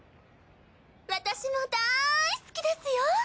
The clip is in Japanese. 私もだい好きですよ！